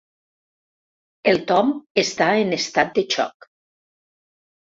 El Tom està en estat de xoc.